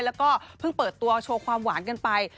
แล้วก็เพิ่งเปิดตัวโชว์ความหวานกันไป